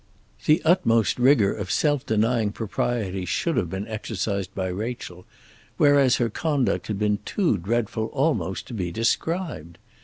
The utmost rigour of self denying propriety should have been exercised by Rachel, whereas her conduct had been too dreadful almost to be described.